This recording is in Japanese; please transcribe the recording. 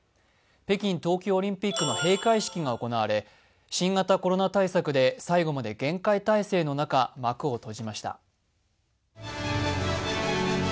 北京冬季オリンピックの閉会式が行われ新型コロナ対策で最後まで厳戒態勢の中、幕を閉じました。